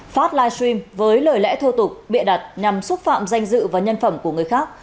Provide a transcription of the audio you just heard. phát livestream với lời lẽ thô tục bịa đặt nhằm xúc phạm danh dự và nhân phẩm của người khác